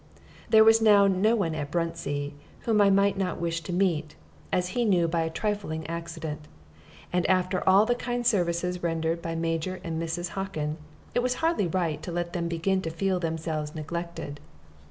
There was no one now at Bruntsea whom I might not wish to meet, as he knew by a trifling accident; and after all the kind services rendered by Major and Mrs. Hockin, it was hardly right to let them begin to feel themselves neglected.